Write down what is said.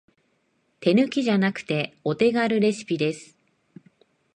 手抜きじゃなくてお手軽レシピです